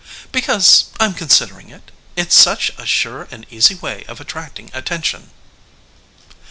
"Because I'm considering it. It's such a sure and easy way of attracting attention."